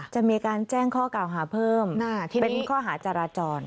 จะมีการแจ้งข้อกล่าวหาเพิ่มเป็นข้อหาจราจร